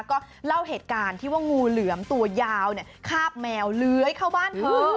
ก็เล่าเหตุการณ์ที่ว่างูเหลือมตัวยาวคาบแมวเลื้อยเข้าบ้านเธอ